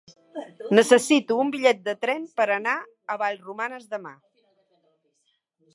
Necessito un bitllet de tren per anar a Vallromanes demà.